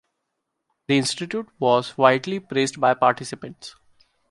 The institute was widely praised by participants.